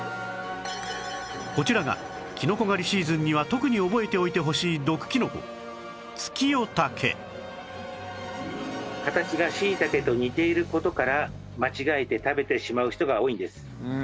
こちらがキノコ狩りシーズンには特に覚えておいてほしい毒キノコツキヨタケ形がシイタケと似ている事から間違えて食べてしまう人が多いんです。